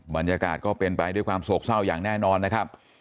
บรรยากาศก็เป็นไปด้วยความโศกเศร้าอย่างแน่นอนนะครับ